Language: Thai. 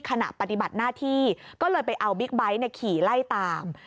ขณะปฏิบัติหน้าที่ก็เลยไปเอาบิ๊กไบท์ขี่ไล่ตาม